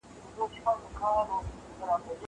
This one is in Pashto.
بیا یې په ځولۍ کي دغزل کوم څه راوړي دي